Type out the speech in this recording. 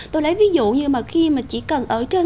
tôi lấy ví dụ như mà khi mà chỉ cần ở trên